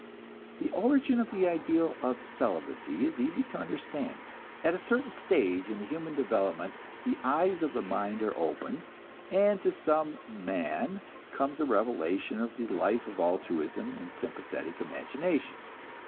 The origin of the ideal of celibacy is easy to understand. At a certain stage in human development the eyes of the mind are opened, and to some man comes a revelation of the life of altruism and sympathetic imagination.